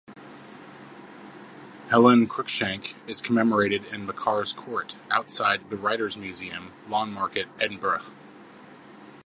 Helen Cruickshank is commemorated in Makars' Court, outside The Writers' Museum, Lawnmarket, Edinburgh.